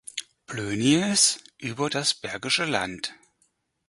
Ploennies über das Bergische Land